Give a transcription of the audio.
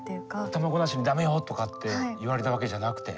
頭ごなしに「駄目よ！」とかって言われたわけじゃなくて。